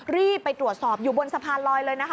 รีบไปตรวจสอบอยู่บนสะพานลอยเลยนะคะ